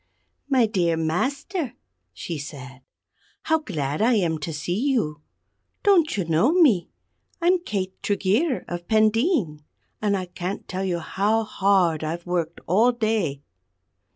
"My dear Master," she said, "how glad I am to see you. Don't you know me? I'm Kate Tregeer of Pendeen; and I can't tell you how hard I've worked all day."